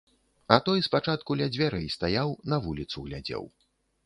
А той спачатку ля дзвярэй стаяў, на вуліцу глядзеў.